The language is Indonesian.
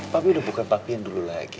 papi udah bukan papi yang dulu lagi